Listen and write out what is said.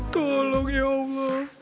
tolong ya allah